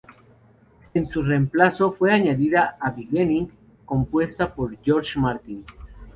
En su reemplazo, fue añadida "A Beginning" compuesta por George Martin.